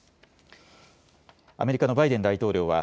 アメリカのバイデン大統領は